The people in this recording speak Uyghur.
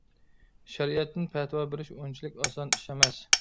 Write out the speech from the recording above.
شەرىئەتتىن پەتىۋا بېرىش ئۇنچىلىك ئاسان ئىش ئەمەس.